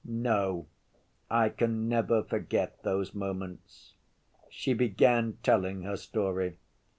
No, I can never forget those moments. She began telling her story.